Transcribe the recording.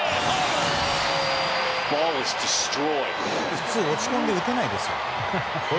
普通落ち込んで打てないですよ。